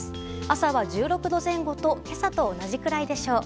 朝は１６度前後と今朝と同じくらいでしょう。